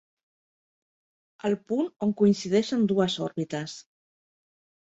El punt on coincideixen dues òrbites.